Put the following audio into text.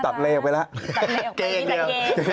ตัดเลออก่อนเนี้ย